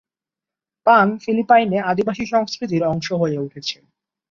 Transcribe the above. পান ফিলিপাইনে আদিবাসী সংস্কৃতির অংশ হয়ে উঠেছে।